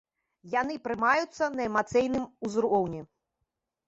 Яны прымаюцца на эмацыйным узроўні.